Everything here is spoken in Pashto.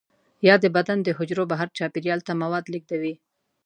یا د بدن د حجرو بهر چاپیریال ته مواد لیږدوي.